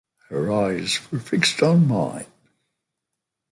Her eyes were fixed on mine.